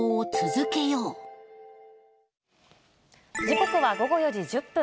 時刻は午後４時１０分。